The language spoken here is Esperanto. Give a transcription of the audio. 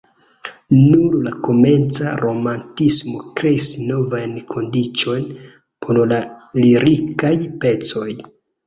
Nur la komenca romantismo kreis novajn kondiĉojn por la lirikaj pecoj.